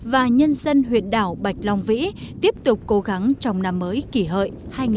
và nhân dân huyện đảo bạch long vĩ tiếp tục cố gắng trong năm mới kỷ hợi hai nghìn một mươi chín